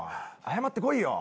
謝ってこいよ。